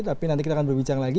tapi nanti kita akan berbincang lagi